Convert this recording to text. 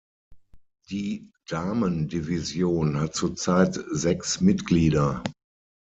Die Damen-Division hat zurzeit sechs Mitglieder.